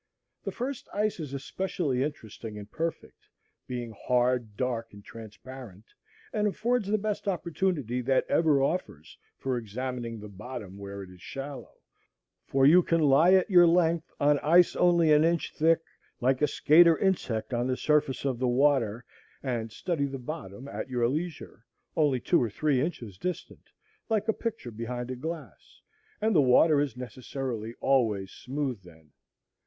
The first ice is especially interesting and perfect, being hard, dark, and transparent, and affords the best opportunity that ever offers for examining the bottom where it is shallow; for you can lie at your length on ice only an inch thick, like a skater insect on the surface of the water, and study the bottom at your leisure, only two or three inches distant, like a picture behind a glass, and the water is necessarily always smooth then.